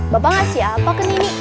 bapak ngasih apa ke nini